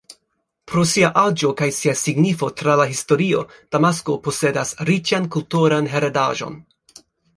Pro sia aĝo kaj sia signifo tra la historio Damasko posedas riĉan kulturan heredaĵon.